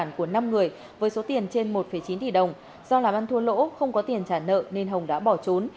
hồng đã mua hải sản của năm người với số tiền trên một chín tỷ đồng do làm ăn thua lỗ không có tiền trả nợ nên hồng đã bỏ trốn